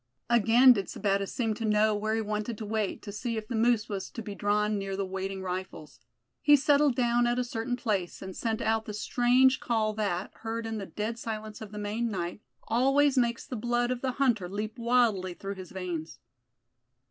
Again did Sebattis seem to know where he wanted to wait to see if the moose was to be drawn near the waiting rifles. He settled down at a certain place, and sent out the strange call that, heard in the dead silence of the Maine night, always makes the blood of the hunter leap wildly through his veins.